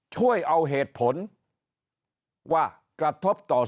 ช่วยเอาเหตุผลว่ากระทบต่อสุขภาพยังไง